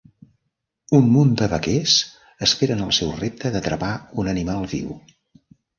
Un munt de vaquers esperen el seu repte d'atrapar un animal viu.